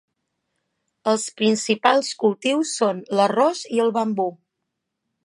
Els principals cultius són l'arròs i el bambú.